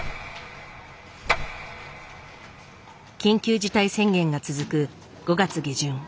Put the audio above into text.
緊急事態宣言が続く５月下旬